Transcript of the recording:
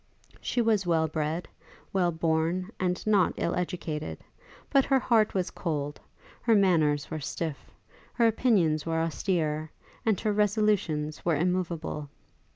She was well bred, well born, and not ill educated; but her heart was cold, her manners were stiff, her opinions were austere, and her resolutions were immoveable.